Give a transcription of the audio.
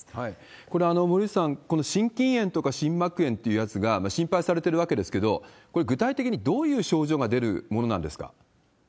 これ、森内さん、この心筋炎とか心膜炎っていうやつが心配されてるわけですけれども、これ、具体的にどういう症状が出るものなんですか？